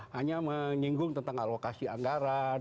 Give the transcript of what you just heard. hanya menyinggung tentang alokasi anggaran